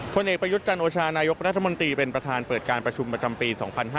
ผลเอกประยุทธ์จันโอชานายกรัฐมนตรีเป็นประธานเปิดการประชุมประจำปี๒๕๕๙